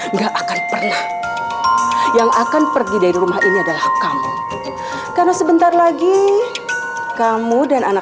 enggak akan pernah yang akan pergi dari rumah ini adalah kamu karena sebentar lagi kamu dan anak